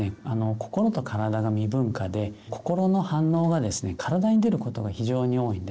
心と体が未分化で心の反応がですね体に出ることが非常に多いんですね。